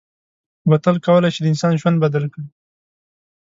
بوتل کولای شي د انسان ژوند بدل کړي.